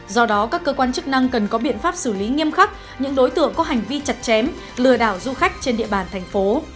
do đó các cơ quan chức năng cần có biện pháp xử lý nghiêm khắc những đối tượng có hành vi chặt chém lừa đảo du khách trên địa bàn thành phố